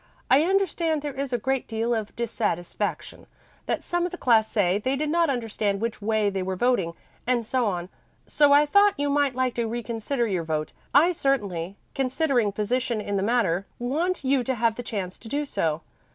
I understand there is a great deal of dissatisfaction that some of the class say they did not understand which way they were voting, and so on. So I thought you might like to reconsider your vote. I certainly, considering position in the matter, want you to have the chance to do so.